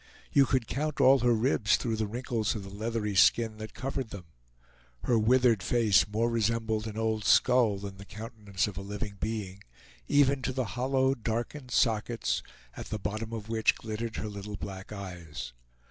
You could count all her ribs through the wrinkles of the leathery skin that covered them. Her withered face more resembled an old skull than the countenance of a living being, even to the hollow, darkened sockets, at the bottom of which glittered her little black eyes.